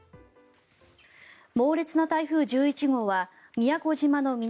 猛烈な台風１１号は宮古島の南